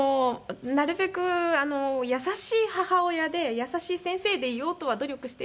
なるべく優しい母親で優しい先生でいようとは努力しているんですけれども。